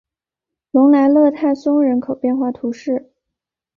隆莱勒泰松人口变化图示